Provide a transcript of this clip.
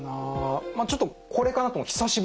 まあちょっとこれかなと思う「久しぶりに」。